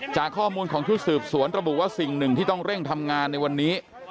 จากข้อมูลของชุดสืบสวนระบุว่าสิ่งหนึ่งที่ต้องเร่งทำงานในวันนี้